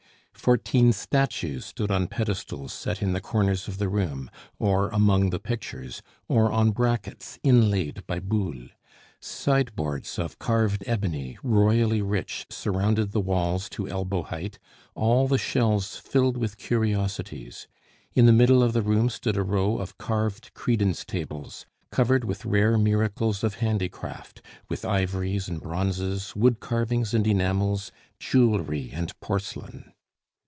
Fourteen statues stood on pedestals set in the corners of the room, or among the pictures, or on brackets inlaid by Boule; sideboards of carved ebony, royally rich, surrounded the walls to elbow height, all the shelves filled with curiosities; in the middle of the room stood a row of carved credence tables, covered with rare miracles of handicraft with ivories and bronzes, wood carvings and enamels, jewelry and porcelain.